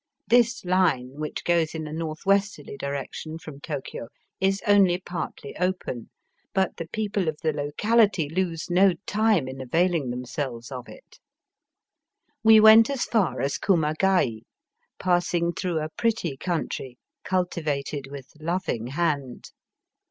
This line, which goes in a north westerly direction from Tokio, is only partly open, but the people of the locaUty lose no time in availing themselves of it. We went as far as Kumagai, passing through a pretty country cultivated with loving hand.